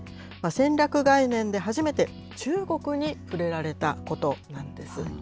戦略概念で初めて、中国に触れられたことなんです。